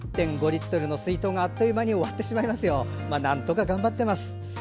１．５リットルの水筒があっという間に終わってしまいますがなんとか頑張っています。